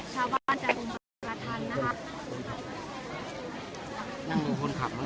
ชาวบ้านจากบริษัททัน